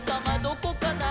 どこかな？」